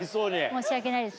申し訳ないです。